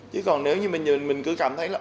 chứ còn nếu như mình nhìn mình cứ cảm thấy là